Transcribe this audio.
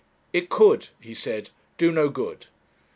'It could,' he said, 'do no good.'